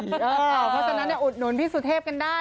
เพราะฉะนั้นอุดหนุนพี่สุเทพกันได้